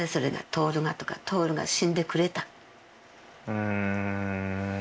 うん。